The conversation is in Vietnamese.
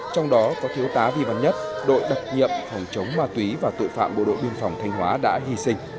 trong đó có thiếu tá vi văn nhất đội đặc nhiệm phòng chống ma túy và tội phạm bộ đội biên phòng thanh hóa đã hy sinh